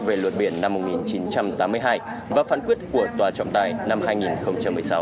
về luật biển năm một nghìn chín trăm tám mươi hai và phản quyết của tòa trọng tài năm hai nghìn hai